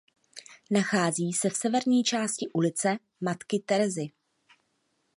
Nachází se v severní části ulice "Matky Terezy".